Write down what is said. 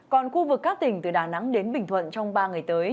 còn khu vực các tỉnh từ đà nẵng đến bình thuận trong ba ngày tới